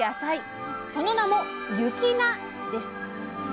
その名も「雪菜」です！